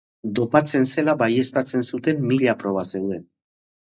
Dopatzen zela baieztatzen zuten milaka proba zeuden.